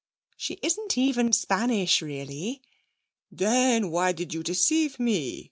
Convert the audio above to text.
'She isn't even Spanish, really!' 'Then why did you deceive me?'